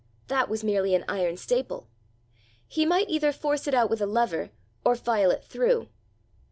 that was merely an iron staple! he might either force it out with a lever, or file it through!